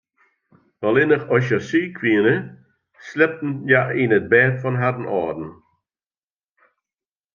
Allinnich as hja siik wiene, sliepten hja yn it bêd fan harren âlden.